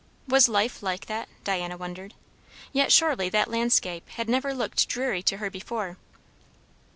Was life like that, Diana wondered? Yet surely that landscape had never looked dreary to her before.